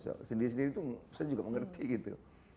saya sendiri sendiri itu saya juga mengerti gitu